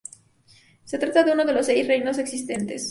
Se trata de uno de los seis reinos existentes.